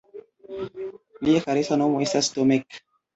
Lia karesa nomo estas Tomek!